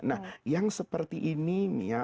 nah yang seperti ini mia